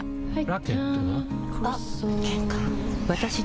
ラケットは？